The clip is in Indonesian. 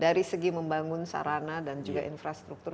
dari segi membangun sarana dan juga infrastruktur